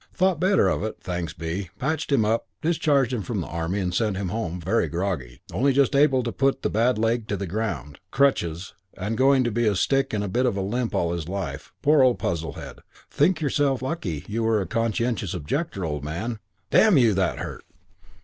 Thought better of it, thanks be; patched him up; discharged him from the Army; and sent him home very groggy, only just able to put the bad leg to the ground, crutches, and going to be a stick and a bit of a limp all his life. Poor old Puzzlehead. Think yourself lucky you were a Conscientious Objector, old man.... Oh, damn you, that hurt.